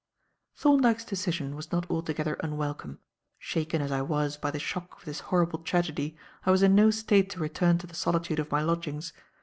Thorndyke's decision was not altogether unwelcome. Shaken as I was by the shock of this horrible tragedy, I was in no state to return to the solitude of my lodgings.